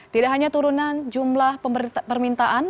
tidak hanya turunan jumlah permintaan